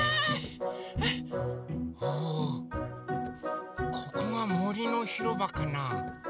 おおここがもりのひろばかな？